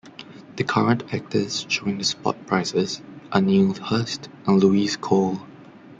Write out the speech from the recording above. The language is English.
The current actors showing the spot prizes are Neil Hurst and Louise Cole.